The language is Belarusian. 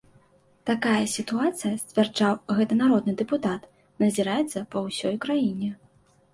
Такая сітуацыя, сцвярджаў гэты народны дэпутат, назіраецца па ўсёй краіне.